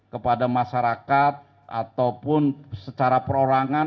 kepada masyarakat ataupun secara perorangan